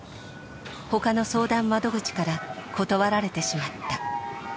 他の相談窓口から断られてしまった。